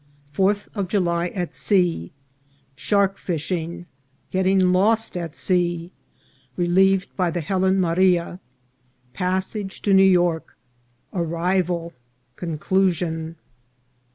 — Fourth of July at Sea. — Shark fishing. — Getting lost at Sea. — Relieved by the Helen Maria. — Pas sage to New York. — Arrival. — Conclusion.